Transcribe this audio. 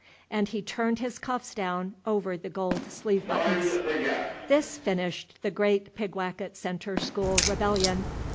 And he turned his cuffs down over the gold sleeve buttons. This finished the great Pigwacket Centre School rebellion.